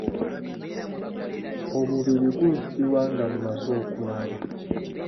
Omubiri gunsiiwa nga mmaze okunaaba.